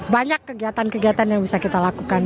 banyak kegiatan kegiatan yang bisa kita lakukan